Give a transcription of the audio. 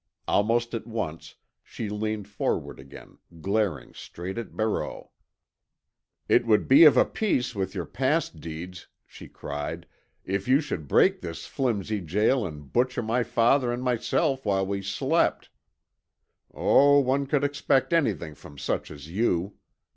Almost at once she leaned forward again, glaring straight at Barreau. "It would be of a piece with your past deeds," she cried, "if you should break this flimsy jail and butcher my father and myself while we slept. Oh, one could expect anything from such as you!"